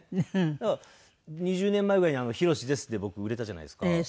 だから２０年前ぐらいに「ヒロシです」で僕売れたじゃないですか。